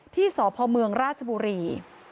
ที่สพราชบุรี